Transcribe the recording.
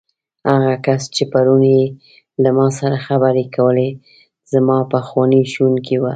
هغه کس چې پرون یې له ما سره خبرې کولې، زما پخوانی ښوونکی و.